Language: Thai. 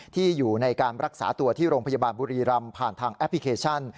ที่อยู่ในการรักษาตัวที่โรงพยาบาลบุรีรำผ่านทางแอปพลิเคชัน